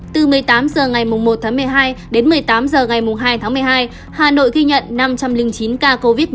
từ một mươi tám h ngày một tháng một mươi hai đến một mươi tám h ngày hai tháng một mươi hai hà nội ghi nhận năm trăm linh chín ca covid một mươi chín